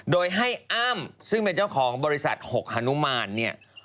โดยให้อ้ำซึ่งเป็นเจ้าของบริษัทหกฮานุมานเนี่ย